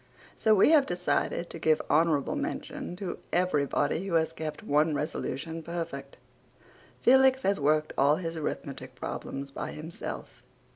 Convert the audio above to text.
So we have decided to give honourable mention to everybody who has kept one resolution perfect. Felix has worked all his arithmetic problems by himself.